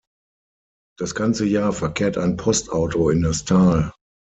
Das ganze Jahr verkehrt ein Postauto in das Tal.